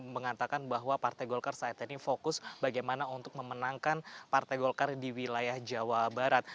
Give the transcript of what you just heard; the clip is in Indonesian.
mengatakan bahwa partai golkar saat ini fokus bagaimana untuk memenangkan partai golkar di wilayah jawa barat